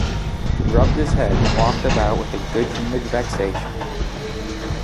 He rubbed his head and walked about with good-humoured vexation.